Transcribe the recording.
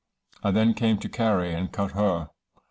I then came to Carry, and cut her.